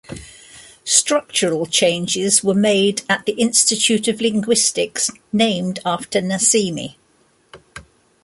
Structural changes were made at the Institute of Linguistics named after Nasimi.